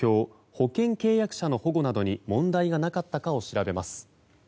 保険契約者の保護などに問題がなかったかを調べます。